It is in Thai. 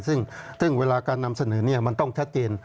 ซึ่งเวลาการนำเสนอมันต้องชัดเจน